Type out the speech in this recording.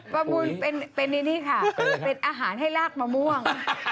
ประมูลเป็นอาหารให้ลากมะม่วง